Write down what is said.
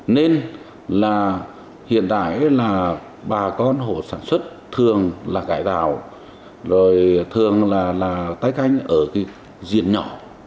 nên là hiện tại là bà con hồ sản xuất thường là cải tạo rồi thường là tái canh ở cái diện nhỏ